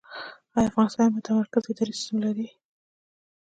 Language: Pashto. آیا افغانستان یو متمرکز اداري سیستم لري؟